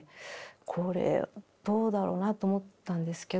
これどうだろうなと思ったんですけど。